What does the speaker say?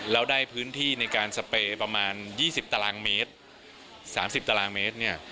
แล้วได้พื้นที่ในการสเปย์ประมาณ๒๐ตารางเมตร๓๐ตารางเมตรเนี่ย